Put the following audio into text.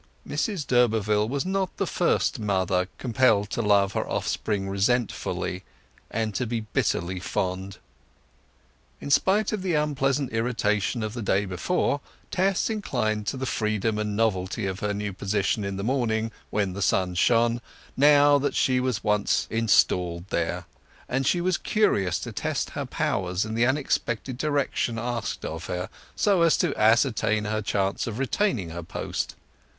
Mrs d'Urberville was not the first mother compelled to love her offspring resentfully, and to be bitterly fond. In spite of the unpleasant initiation of the day before, Tess inclined to the freedom and novelty of her new position in the morning when the sun shone, now that she was once installed there; and she was curious to test her powers in the unexpected direction asked of her, so as to ascertain her chance of retaining her post.